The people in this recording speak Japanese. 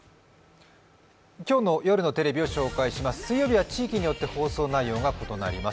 今日の夜のテレビを紹介します。